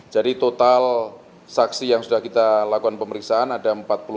jadi total saksi yang sudah kita lakukan pemeriksaan ada empat puluh tiga